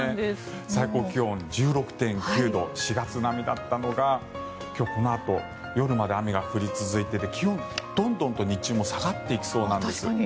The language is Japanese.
最高気温１６．９度４月並みだったのが今日、このあと夜まで雨が降り続いていて気温どんどんと日中も下がっていきそうなんです。